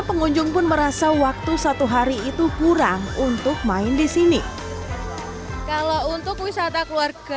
pengunjung pun merasa waktu satu hari itu kurang untuk main di sini kalau untuk wisata keluarga